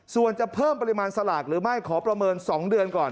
ส่วนจะเพิ่มปริมาณสลากหรือไม่ขอประเมิน๒เดือนก่อน